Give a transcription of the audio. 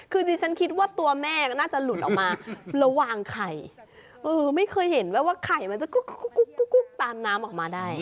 คือดิฉันคิดว่าตัวแม่ก็น่าจะหลุดออกมาระหว่างไข่ไม่เคยเห็นไหมว่าไข่มันจะกุ๊กตามน้ำออกมาได้